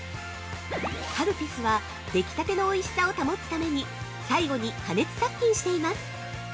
◆カルピスは、できたてのおいしさを保つために、最後に加熱殺菌しています。